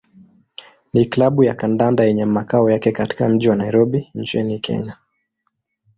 ni klabu ya kandanda yenye makao yake katika mji wa Nairobi nchini Kenya.